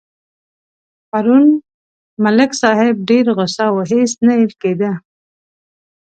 پرون ملک صاحب ډېر غوسه و هېڅ نه اېل کېدا.